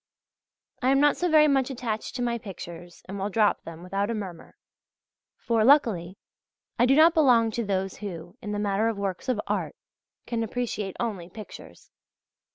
I am not so very much attached to my pictures, and will drop them without a murmur; for, luckily, I do not belong to those who, in the matter of works of art, can appreciate only pictures.